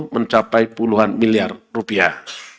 mencapai puluhan miliar rupiah